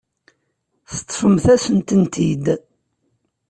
Teṭṭfemt-asen-tent-id.